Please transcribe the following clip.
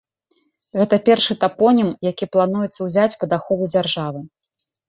Гэта першы тапонім, які плануецца ўзяць пад ахову дзяржавы.